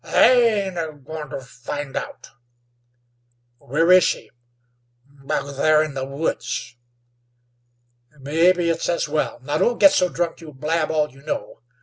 "They ain't agoin' ter find out." "Where is she?" "Back there in the woods." "Mebbe it's as well. Now, don't git so drunk you'll blab all you know.